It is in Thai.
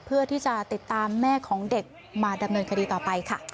เพื่อที่จะติดตามแม่ของเด็กมาดำเนินคดีต่อไปค่ะ